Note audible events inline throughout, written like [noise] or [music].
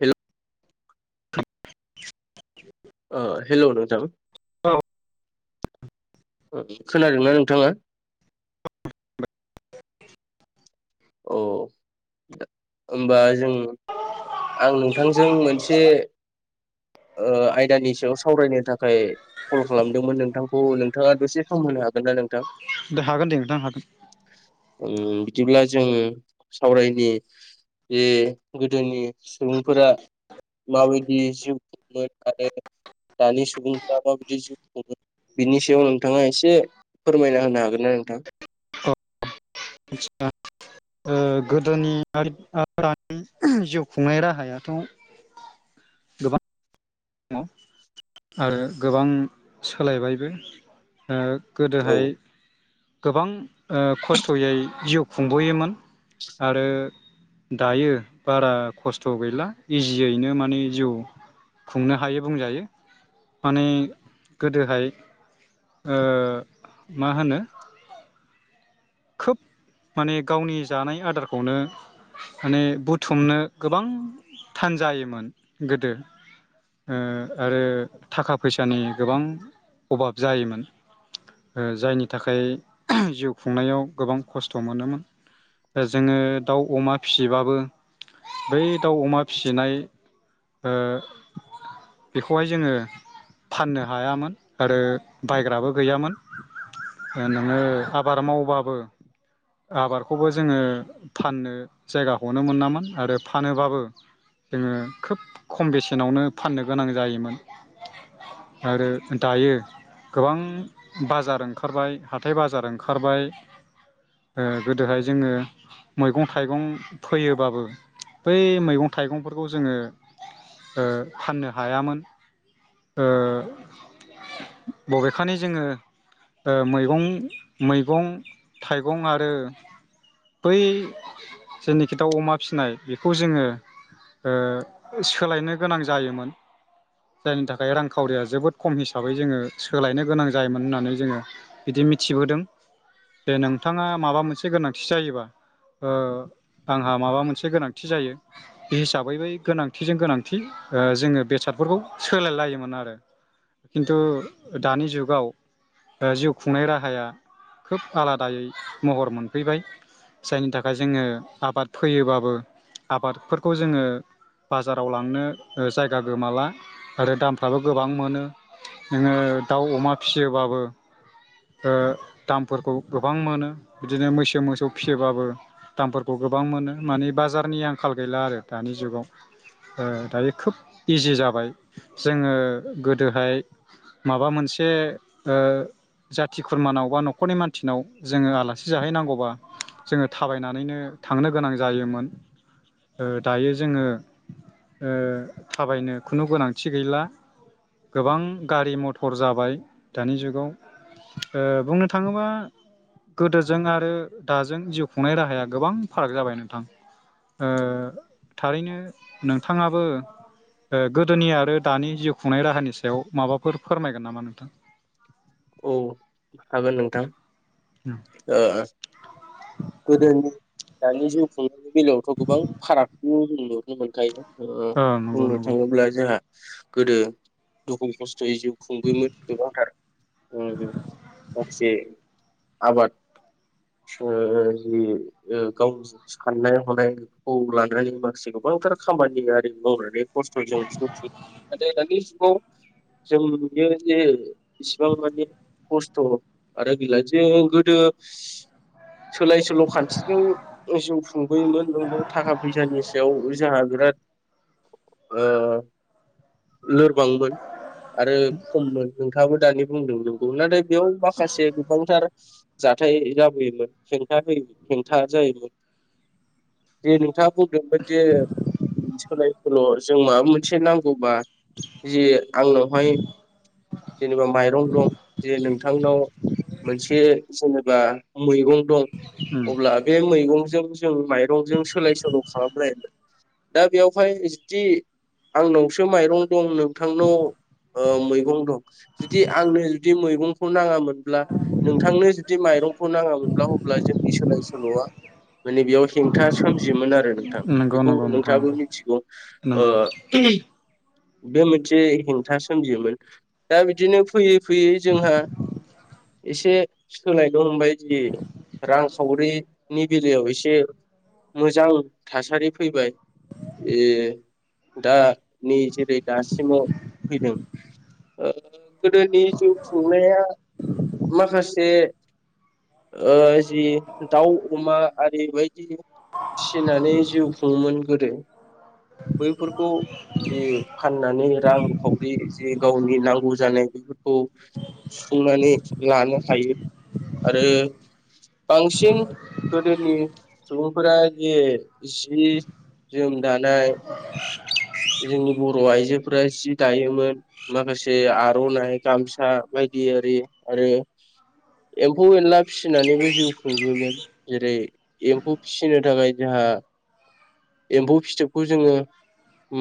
Hello अओ hello नोंथां औ खोनादोंना नोंथाङा? औ होमबा जों आं नोंथांजों मोनसे ओ आयदानि सायाव सावरायनो थाखाय कल खालामदोंमोन नोंथांखौ नोंथाङा दसे सम होनो हागोन ना नोंथां? हागोन दे नोंथां हागोन। उम बिदिब्ला जोङो सावरायनि जे गोदोनि सुबुंफोरा माबायदि जिउ खुङोमोन आरो दानि सुबुंफोरा माबायदि जिउ खुङो बिनि सायाव नोंथाङा एसे फोरमायना होनो हागोन ना नोंथां? औ ओ गोदोनि आरो दानि जिउ खुंनाय राहायाथ' गोबां दङ आरो गोबां सोलायबायबो। ओ औ गोदोहाय गोबां ओ खस्थयै जिउ खुंबोयोमोन आरो दायो बारा खस्थ गैला इजियैनो माने जिउ खुंनो हायो बुंजायो माने गोदोहाय ओ मा होनो खोब माने गावनि जानाय आदारखौनो माने बुथुमनो गोबां थान जायोमोन गोदो ओ आरो थाखा फैसानि गोबां अभाब जायोमोन जायनि थाखाय जिउ खुंनायाव गोबां खस्थ' मोनोमोन जोङो दाउ अमा फिसिबाबो बै दाउ अमा फिसिनाय ओ बेखौहाय जोङो फाननो हायामोन आरो बायग्राबो गैयामोन नोङो आबाद मावबाबो आबादखौबो जोङो फाननो जायगा खौनो मोनामोन आरो फानोबाबो जोङो खोब खम बेसेनावनो फाननो गोनां जायोमोन आरो दायो गोबां बाजार ओंखारबाय हाथाइ बाजार ओंखारबाय ओ गोदोहाय जोङो मैगं थाइगं फोयोबाबो बै मैगं थाइगंफोरखौ जोङो ओ फाननो हायामोन बबेखानि जोङो ओ मैगं मैगं थाइगं आरो बै जेनोखि दाउ अमा फिनाय बेखौ जोङो सोलायनो गोनां जायोमोन जायनि थाखाय रांखावरिया जोबोद खम हिसाबै जोङो सोलायनो गोनां जायोमोन होननानै जोङो बिदि मिथिबोदों बेे नोंथाङा माबा मोनसे गोनांथि जायोबा ओ आंहा माबा मोनसे गोनांथि जायो बे हिसाबै बै गोनांथिजों गोनांथि जोङो बेसादफोरखौ सोलाय लायोमोन आरो खिन्थु दानि जुगाव ओ जिउ खुंनाय राहाया खोब आलादायै महर मोनफैबाय जायनि थाखाय जोङो आबाद फैयोबाबो आबादफोरखौ जोङो बाजाराव लांनो ओ जायगा गोमाला आरो दामफ्राबो गोबां मोनो नोङो दाउ अमा फिसियोबाबो ओ दाम फोरखौ गोबां मोनो बिदिनो मैसो मोसौ फिसियोबाबो दामफोरखौ गोबां मोनो मानिे बाजारनि आंखाल गैला आरो दानि जुगाव दायो खोब इजि जाबाय जोङो गोदोहाय माबा मोनसे जाथि खुरमानाव बा न'खरनि मानसिनाव जोङो आलासि जाहैनांगौबा जोङो थाबायनानैनो थांनो गोनां जायोमोन ओ दायो जोङो थाबायनो खुनु गोनांथि गैला गोबां गारि मथर जाबाय दानि जुगाव बुंनो थाङोबा गोदोजों आरो दाजों जिउ खुंनाय राहाया गोबां फाराग जाबाय नोंथां ओ थारैनो नोंथाङाबो गोदोनि आरो दानि जिउ खुंनाय राहानि सायाव माबाफोर फोरमायगोन नामा नोंथां औ हागोन नोंथां ओ गोदोनि दानि जिउ खुंनायनि बेलायावथ' गोबां फारागखौ नुनो मोनखायो ओ ओं नंगौ बुंनो नंगौ थाङोब्ला जोंहा गोदो दुखु खस्थ'यै जिउ खुंबोयोमोन गोबांथार माखासे आबाद ओ जि गावनि साननाय हनायखौ लानानै माखासे गोबांथार खामानियारि मावो खसथजों नाथाय दानि जुगाव जों नुयो जे गोबां माने खस्थ' आरो गैला जे गोदो सोलाय सोल' खान्थिजों जिउ खुंबोयोमोन नोंबो थाखा फैसानि सायाव जोंहा बिराद ओ लोरबांमोन आरो खम मोन थाबो दायो बुंदोंमोन नाथाय बेयाव माखासे गोबांथार जाथाय जाबोयोमोन हेंथा हो हेंथा जायोमोन खोथा बुंदों मो सोलाय हेल' जों माबा मोनसे नांगौबा जि आंनावहाय जेनेमा माय माइरं दं जे नोंथांनाव मोनसे जेनेबा मैगं दं उम अब्ला बे मैगंजों जों माइरंजों सोलाय सोल' खालामलायोमोन दा बेयावहाय जुदि आंनावसो माइरं दं नोंथांनाव मैगं दं जुदि आंनो जुदि मैगंखौ नाङामोनब्ला नोंथांनो जुदि माइरंखौ नाङाामोनब्ला अब्ला जोंनि सोलाय सोल'आ माने बेयाव हेंथा सोमजि मोन आरो नोंथां नंगौ बेखौ नंगौ नोंथां नोंथाङाबो नंगौ मिथिगौ ओ नंगौ बे मोनसे हेंथा सोमजियोमोन दा बिदिनो फैयो फैयो जोंहा एसे सोलाय हमनो बायदि रांखावरि नि बेलायाव एसे मोजां थासारि फैबाय उम दा नै जेरै दासिमाव फैदों ओ गोदोनि जिउ खुंनाया माखासे ओ जि दाउ अमा आरि बायदि फिनानै जिउ खुंङोमोन गोदो बैफोरखौ जि फाननानै रां खावरि जे गावनि नांगौ जानाय बेफोरखौ सुफुंनानै लानो हायो आरो बांसिन गोदोनि सुबुंफोरा जे जि जोम दानाय जोंनि बर' आइजोफोरा जि दायोमोन माखासे आर'नाइ गामसा बायदि आरि आरो एम्फौ एनला फिसिनानैबो जिउ खुंबोयोन जेरै एम्फौ फिसिनो थाखाय जोंहा एम्फौ फिथोबखौ जोंङो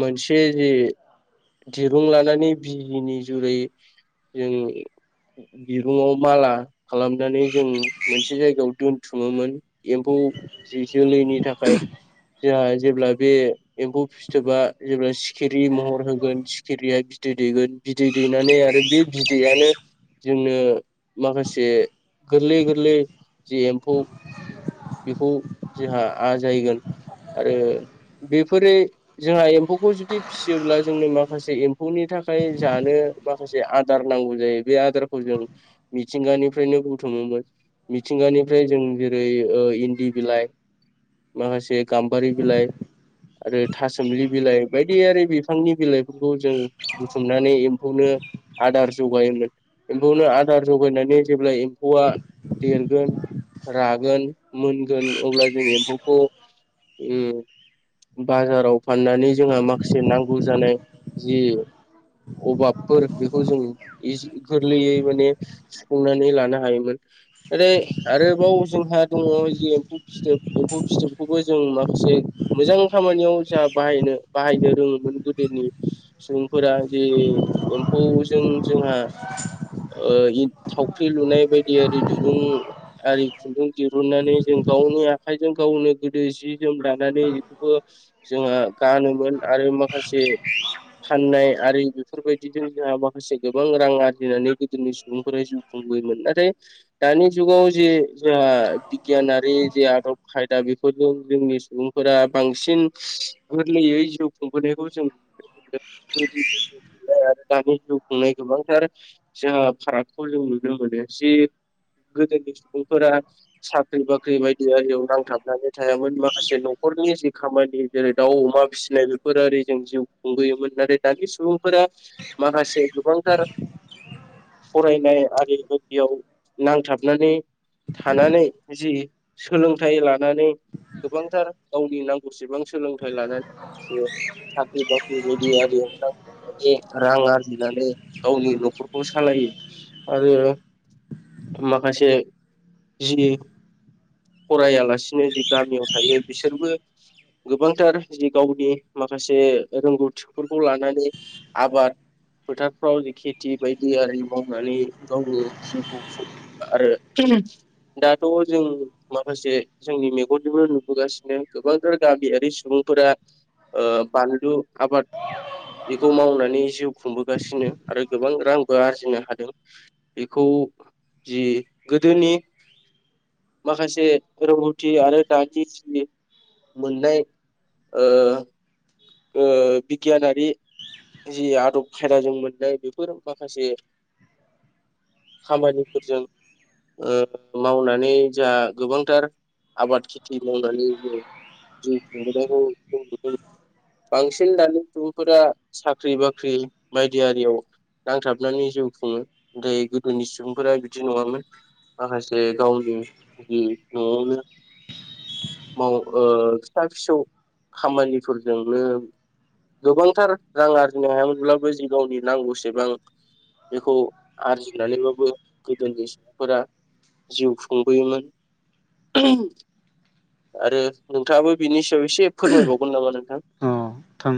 मोनसे जे दिरुं लानानै बिजिनि जुरै जों दिरुंआव माला खालामनानै जों मोनसे जायगायाव दोनथुमोमोन एम्फौ जि जोलैनि थाखाय जोंहा जेब्ला बे एम्फौ फिथोबा जेब्ला सिखिरि महर होगोन सिखिरिया बिदै दैगोन बिदै दैनानै आरो बे बिदैयानो जोंनो माखासे गोरलै-गोरलै जि एम्फौ बेखौ जोंहा आजायगोन आरो बेफोरो जोंहा एम्फौखौ जुदि फिसियोब्ला जोंनो माखासे एम्फौनि थाखाय जानो माखासे आदार नांगौ जायो बे आदारखौ जों मिथिंगानिफ्रायनो बुथुमोमोन मिथिंगानिफ्राय जों जेरै ओ इन्दि बिलाइ माखासे गाम्बारि बिलाइ आरो थासोमलि बायदियारि बिफांनि बिलाइफोरखौ जों बुथुमनानै एम्फौनो आदार जगायोमोन एम्फौनो आदार जगायनानै जेब्ला एम्फौआ देरगोन रागोन मोनगोन अब्ला जों एम्फौखौ उम बाजाराव फाननानै जोंहा माखासे नांगौ जानाय जि अभाबफोर बेखौ जों इजि गोरलैयै माने सुफुंनानै लानो हायोमोन नाथाय आरोबाव जोंहा दंङ जि एम्फौ फिथोब एम्फौ फिथोबखौबो जों माखासे मोजां खामानियाव जा बाहायनो बाहायनो रोंङोमोन गोदोनि सुबुंफोरा जि एम्फौजों जोंहा ओ इ थावख्रि लुनाय बायदि आरि दुरुं आरि खुन्दुं दिरुननानै जों गावनि आखाइजों गावनो गोदो जि जोम लानानै बेखौबो जोंहा गानोमोन आरो माखासे फाननाय आरि बेफोरबायदिजों जोंहा माखासे गोबां रां आरजिनानै गोदोनि सुबुंफोरा जिउ खुंबोयोमोन नाथाय दानि जुगाव जे जोंहा बिगियान आरि जि आदब खाय दा बेफोरखौ जोंनि सुबुंफोरा बांसिन गोरलैयै जिउ खुंबोनायखौ जों नुनो मोनो गोदोनि जिउ खुंनाय आरो दानि जिउ खुंनाय गोबांथार जोंहा फारागखौ जों नुनो मोनो जि गोदोनि सुबुंफोरा साख्रि-बाख्रि बायदि नांथाबनानै थायामोन माखासे न'खरनि जि खामानि जेरै दाउ अमा फिसिनाय बेफोर ओरै जों जिउ खुंबोयोमोन नाथाय दानि सुबुंफोरा माखासे गोबांथार फरायनाय आरि बेयाव नांथाबनानै थानानै जि सोलोंथाइ लानानै गोबांथार गावनि नांगौसेबां सोलों थाय लानानै माखासे साख्रि-बाख्रि बेबायदि आरियाव नांथाबनानै रां आरजिनानै गावनि न'खरखौ सालायो आरो माखासे जि फरायालासिनो जि गामियाव थायो बिसोरबो गोबांथार जि गावनि माखासे रोंगौथिफोरखौ लानानै आबाद फोथारफ्राव जि खेथि बायदि आरि मावनानै गावनि जिउखौ खुं आरो [unintelligible] दाथ' जों माखासे जोंनि मेगनजोंबो नुबोगासिनो गोबांथार गामियारि सुबुंफोरा ओ बानलु आबाद बेखौ मावनानै जिउ खुंबोगासिनो आरो गोबां रांबो आरजिनो हादों बेखौ जि गोदोनि माखासे रोंगौथि आरो दानि जि मोननाय ओ ओ बिगियानारि जि आदब खायदाजों मोननाय बेफोर माखासे खामानिफोरजों ओ मावनानै जोहा गोबांथार आबाद खेथि मावनानै जों जिउ खुंबोनायखौ [unintelligible] बांसिन दानि सुबुंफोरा साख्रि-बाख्रि बायदि आरियाव नांथाबनानै जिउ खुंङो नाथाय गोदोनि सुबुंफोरा बिदि नंङामोन माखासे गावनि जि न'आवनो माव‌ ओ फिसा-फिसौ खामानिफोर जोंनो गोबांथार रां आरजिनो हायामोनब्लाबो जि गावनि नांगौसेबां बेखौ आरजिनानैबाबो गोदोनि सुबुंफोरा जिउ खुंबोयोमोन [unintelligible] आरो नोंथाङाबो बिनि सायाव एसे फोरमायबावगोन नामा नों अ थां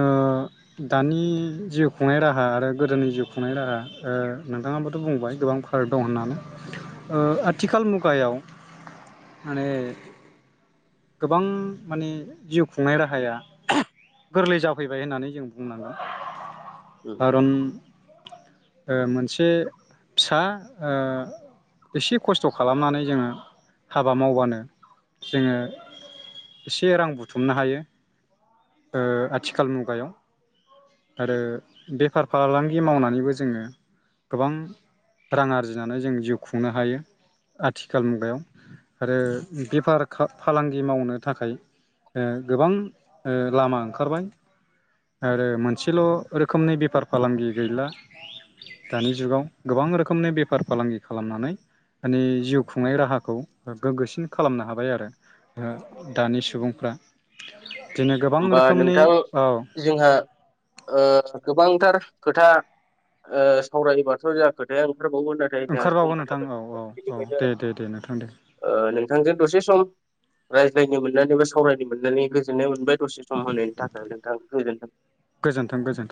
ओ दानि जिउ खुंनाय राहा आरो गोदोनि जिउ खुंनाय राहा ओ नोंथांङाबोथ' बुंबाय गोबां फाराग दं होनना ओ आथ आथिखाल मुगायाव माने गोबां माने जिउ खुंनाय राहाया [unintelligible] गोरलै जाफैबाय होननानै जों बुंनांगोन। खारन ओ मोनसे फिसा ओ एसे खस्थ' खालामनानै जोङो हाबा मावबानो जोङो इसे रां बुथुमनो हायो। ओ आथिखाल मुगायाव आरो बेफार फालांगि मावनानैबो जोङो गोबां रां आरजिनानै जों जिउ खुंनो हायो आथिखाल मुगायाव आरो बेफार खा फालांगि मावनो थाखाय ओ गोबां ओ लामा ओंखारबाय आरो मोनसेल' रोखोमनि बेफार फालांगि गैला दानि जुगाव गोबां रोखोमनि बेफार फालांगि खालामनानै मानि जिउ खुंनाय राहाखौ गोग्गोसिन खालामनो हाबाय आरो ओ दानि सुबुंफ्रा। बिदिनो गोबां होमबा रोखोमनि नोंथां औ जोंहा ओ गोबांथार खोथा ओ सावरायोबाथ' जोंहा खोथाया ओं ओंखारबावो नाथाय जोंहा ओंखारबावो सम नोंथां औ औ जाबाय औ बिनिखायनो दे दे दे नोंथां दे ओ नोंथांजों दसे सम ओ रायज्लायनो मोननानैबो सावरायनो मोननानै गोजोननाय मोनदों। दसे सम होनायनि थाखाय नोंथां गोजोनथों। गोजोन्थों गोजोन्थों